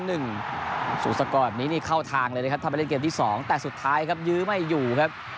สุสกรแบบนี้นี่เข้าทางเลยนะครับถ้าไปเล่นเกมที่๒แต่สุดท้ายครับยื้อไม่อยู่ครับ